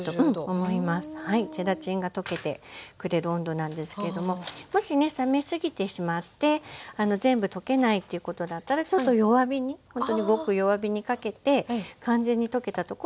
ゼラチンが溶けてくれる温度なんですけどももしね冷めすぎてしまって全部溶けないっていうことだったらちょっと弱火にほんとにごく弱火にかけて完全に溶けたところを確認してみて下さい。